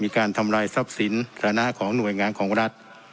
การทำลายทรัพย์สินสถานะของหน่วยงานของรัฐ